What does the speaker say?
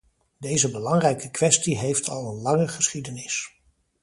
Deze belangrijke kwestie heeft al een lange geschiedenis.